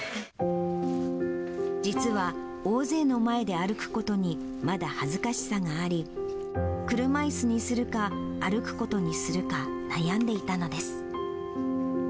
実は、大勢の前で歩くことにまだ恥ずかしさがあり、車いすにするか、歩くことにするか、悩んでいたのです。